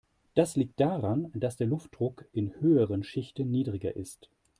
Das liegt daran, dass der Luftdruck in höheren Schichten niedriger ist.